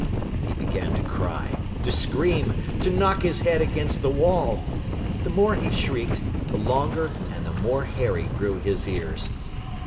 He began to cry, to scream, to knock his head against the wall, but the more he shrieked, the longer and the more hairy grew his ears.